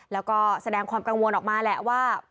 แล้วก็แสดงความกังวลออกมาแหละว่า